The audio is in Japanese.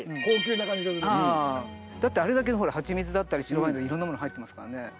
だってあれだけのほらはちみつだったり白ワインのいろんなもの入ってますからね。